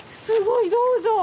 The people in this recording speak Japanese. すごいどうぞ！